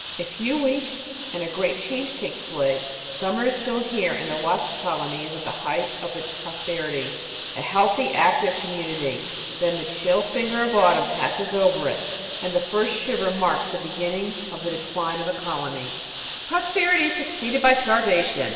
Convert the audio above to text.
A few weeks, and a great change takes place — summer is still here and the wasp colony is at the height of its prosperity, a healthy, active com munity; then the chill, finger of autimin passes over it, and the first shiver marks the beginning of the decline of the colony. Natural Hlstoty 5S1 Prosperity is succeeded by starvation.